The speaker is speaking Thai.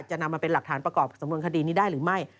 จะนำมาเป็นหลักฐานประกอบสำนวนคดีนี้ได้หรือไม่